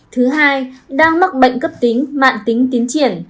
thứ hai đang mắc bệnh cấp tính mạng tính tiến triển